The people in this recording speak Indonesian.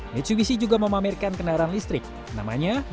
mitsubishi juga memamerkan kendaraan listrik namanya mini cab nief